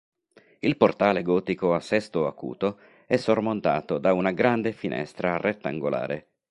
Il portale gotico a sesto acuto è sormontato da una grande finestra rettangolare.